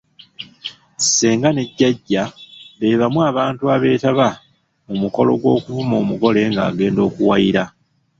Ssenga ne Jjajja beebamu abantu abeetaba mu mukolo gw'okuvuma omugole agenda akuwayira.